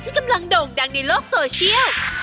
กำลังโด่งดังในโลกโซเชียล